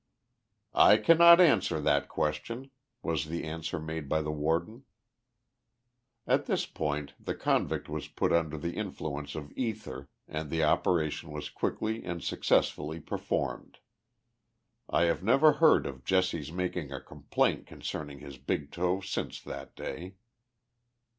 *• I cannot answer that question," was the answer made by the Warden. At this point the convict was put under the influence of ether and the operation was quickly and successfully performed. I have never heard of Jesse's making a complaint concerning his big toe since that day.